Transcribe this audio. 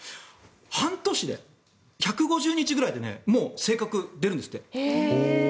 半年で１５０日ぐらいでもう性格、出るんですって。